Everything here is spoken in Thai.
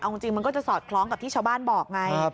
เอาจริงมันก็จะสอดคล้องกับที่ชาวบ้านบอกไง